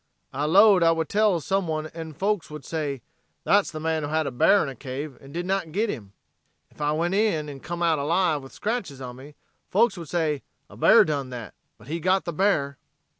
I lowed I would tell some one en folks would say, 'that's the man who had a bear in a cave, and did not git him.' Ef I went in en come out alive with scratches on me, folks would say 'a bear done that, but he got the bear.'"